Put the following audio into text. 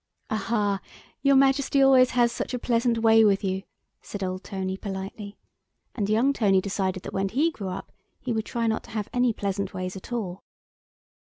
"Aha! your Majesty always has such a pleasant way with you," said old Tony politely; and young Tony decided that when he grew up he would try not to have any pleasant ways at all.